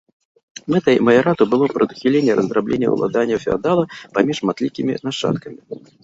Мэтай маярату было прадухіленне раздрабнення уладанняў феадала паміж шматлікімі нашчадкамі.